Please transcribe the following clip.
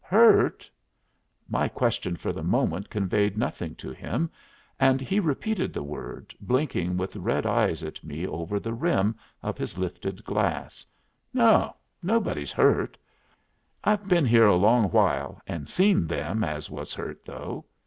"Hurt?" My question for the moment conveyed nothing to him, and he repeated the word, blinking with red eyes at me over the rim of his lifted glass. "No, nobody's hurt. I've been here a long while, and seen them as was hurt, though."